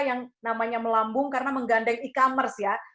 yang namanya melambung karena menggandeng e commerce ya